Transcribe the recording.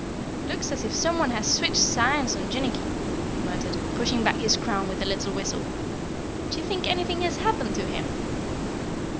"Looks as if someone had switched signs on Jinnicky," he muttered, pushing back his crown with a little whistle. "Do you think anything has happened to him?"